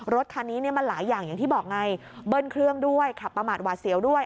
รถคันนี้มันหลายอย่างอย่างที่บอกไงเบิ้ลเครื่องด้วยขับประมาทหวาดเสียวด้วย